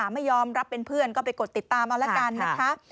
ไม่ยอมรับเป็นเพื่อนก็ไปกดติดตามเอาละกันนะคะ